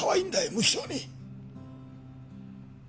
無性に。